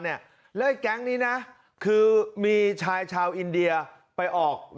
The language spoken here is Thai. แล้วไอ้แก๊งนี้นะคือมีชายชาวอินเดียไปออก